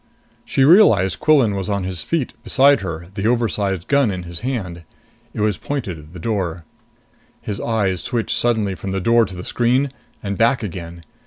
She realized Quillan was on his feet beside her, the oversized gun in his hand. It was pointed at the door. His eyes switched suddenly from the door to the screen and back again.